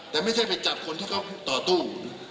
แต่ไม่ใช่ไปจับคนที่เขาต่อสู้